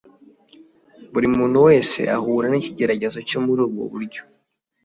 Buri muntu wese ahura n'ikigeragezo cyo muri ubwo buryo,